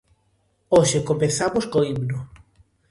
Hoxe comezamos co himno.